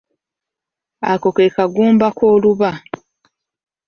Ako ke kagumba k'oluba.